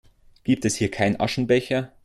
Gibt es hier keinen Aschenbecher?